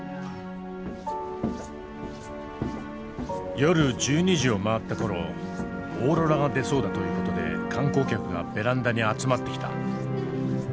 夜１２時を回った頃オーロラが出そうだという事で観光客がベランダに集まってきた。